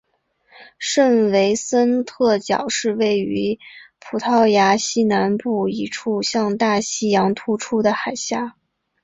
圣维森特角是位于葡萄牙西南部一处向大西洋突出的海岬。